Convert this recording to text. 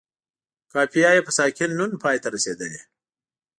قافیه یې په ساکن نون پای ته رسیدلې.